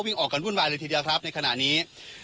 วิ่งออกกันวุ่นวายเลยทีเดียวครับในขณะนี้